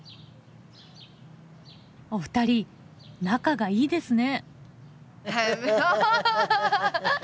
お二人仲がいいですね。